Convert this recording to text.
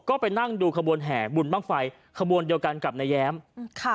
ก็ไปนั่งดูขบวนแห่บุญบ้างไฟขบวนเดียวกันกับนายแย้มค่ะ